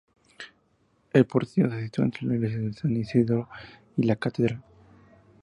El portillo se sitúa entre la iglesia de San Isidoro y la Catedral.